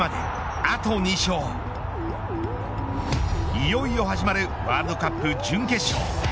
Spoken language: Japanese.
いよいよ始まるワールドカップ準決勝。